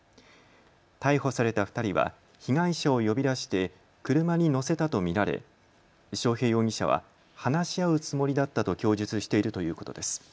逮捕された２人は被害者を呼び出して車に乗せたと見られ章平容疑者は話し合うつもりだったと供述しているということです。